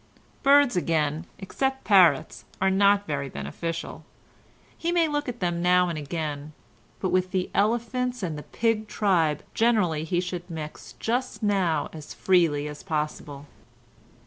Birds again, except parrots, are not very beneficial; he may look at them now and again, but with the elephants and the pig tribe generally he should mix just now as freely as possible.